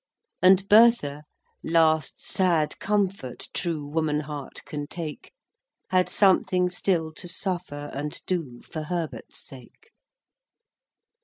And Bertha—last sad comfort True woman heart can take— Had something still to suffer And do for Herbert's sake.